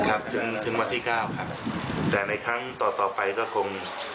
จนถึงวันที่เก้าครับแต่ในครั้งต่อต่อไปก็คง